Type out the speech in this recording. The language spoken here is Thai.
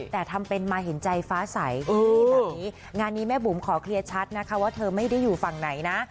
แต่ทำเป็นมาเห็นใจฟ้าใสแบบนี้งานนี้แม่บุ๋มขอเคลียร์ชัดนะคะว่าเธอไม่ได้อยู่ฝั่งไหนนะ